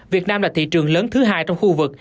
việt nam là thị trường lớn thứ hai trong khu vực